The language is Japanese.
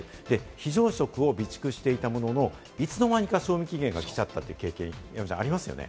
非常食を備蓄していたものの、いつの間にか賞味期限が来ちゃったという経験ありますよね？